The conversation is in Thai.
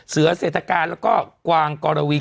เสืออเศรษฐการ์ด์วิก็กวางกรวรวี